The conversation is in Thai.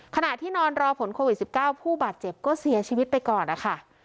ขณะที่นอนรอผลโควิด๑๙ผู้บาดเจ็บก็เสียชีวิตไปก่อนนะคะ